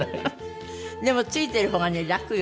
でも付いてる方がね楽よ。